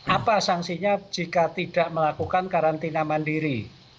apa sanksinya jika tidak melakukan karantina mandiri